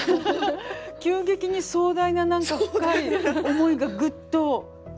急激に壮大な何か深い思いがグッと。